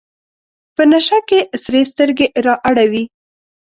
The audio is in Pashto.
په نشه کې سرې سترګې رااړوي.